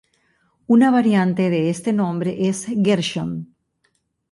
Una variante de este nombre es "Gershon".